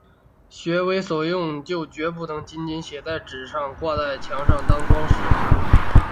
学为所用就决不能仅仅是写在纸上、挂在墙上当‘装饰’